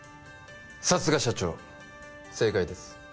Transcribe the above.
さすが社長正解です